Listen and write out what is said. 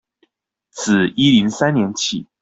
自一零三年起